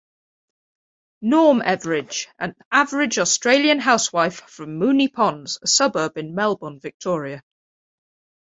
Norm Everage, an "average Australian housewife" from Moonee Ponds, a suburb in Melbourne, Victoria.